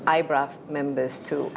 antara member ibraf